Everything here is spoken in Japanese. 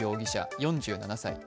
４７歳。